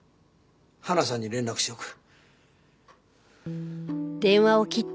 花さんに連絡しておく。